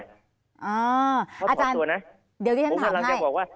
อ๋ออาจารย์เดี๋ยวที่ฉันถามให้